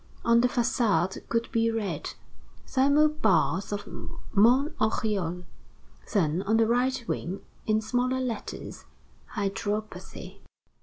On the façade could be read: "Thermal baths of Mont Oriol." Then, on the right wing, in smaller letters: "Hydropathy.